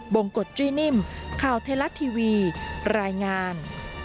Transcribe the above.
บงกฎจรินิมข่าวเทลาสตร์ทีวีรายงาน